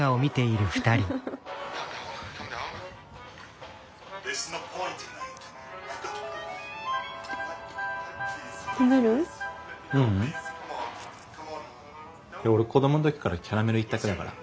いや俺子どもの時からキャラメル一択だから。